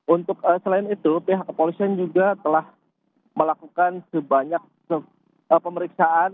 untuk selain itu pihak kepolisian juga telah melakukan sebanyak pemeriksaan